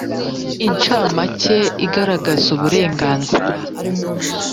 incamake igaragaza uburenganzira